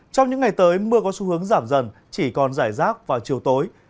trong những ngày tới mưa có xu hướng giảm dần chỉ còn giải rác vào chiều tối